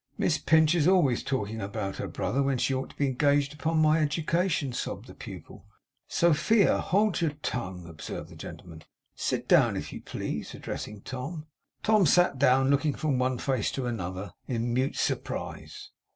'Miss Pinch is always talking about her brother, when she ought to be engaged upon my education,' sobbed the pupil. 'Sophia! Hold your tongue!' observed the gentleman. 'Sit down, if you please,' addressing Tom. Tom sat down, looking from one face to another, in mute surprise.